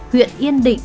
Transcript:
huyện yên định